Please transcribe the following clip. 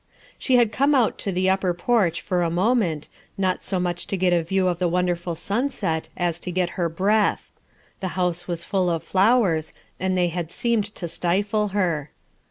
She had come out to the upper porch for a moment, not so much to get a view of the won derful sunset as to get her breath. The house was full of flowers, and they had seemed to stifle her.